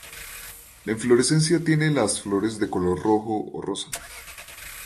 La inflorescencia tiene las flores de color rojo o rosa.